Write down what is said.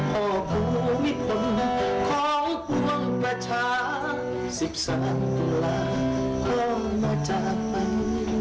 พ่อกูมีคนของกวงประชาสิบสามปุ่นลาพ่อมาจากไป